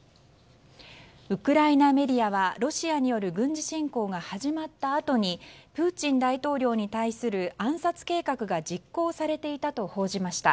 ウクライナメディアはロシアによる軍事侵攻が始まったあとにプーチン大統領に対する暗殺計画が実行されていたと報じました。